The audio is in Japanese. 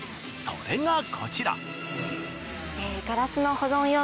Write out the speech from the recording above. それがこちら。